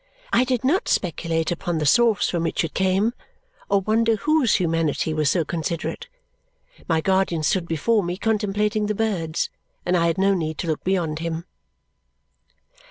I did not speculate upon the source from which it came or wonder whose humanity was so considerate. My guardian stood before me, contemplating the birds, and I had no need to look beyond him.